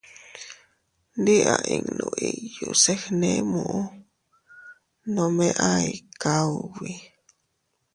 Ndi a innu iyuu se gne muʼu, nome a ikaa ubi.